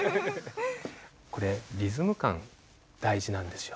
これリズム感大事なんですよ。